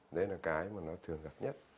đấy là cái mà nó thường gặp nhất